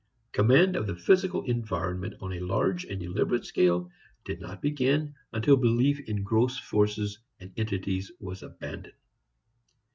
Command of the physical environment on a large and deliberate scale did not begin until belief in gross forces and entities was abandoned.